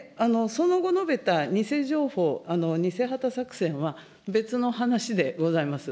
その後、述べた偽情報、偽旗作戦は別の話でございます。